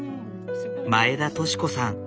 前田敏子さん。